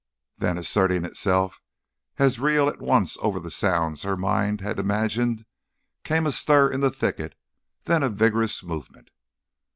Then, asserting itself as real at once over all the sounds her mind had imagined, came a stir in the thicket, then a vigorous movement.